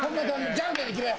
じゃんけんで決めよ。